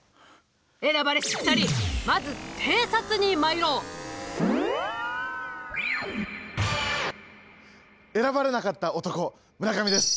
選ばれし２人まず偵察に参ろう。選ばれなかった男村上です。